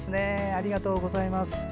ありがとうございます。